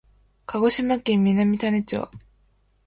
鹿児島県南種子町